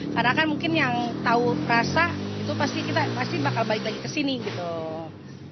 karena kan mungkin yang tahu perasa itu pasti kita pasti bakal balik lagi ke sini gitu